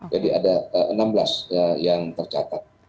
jadi ada enam belas yang tercatat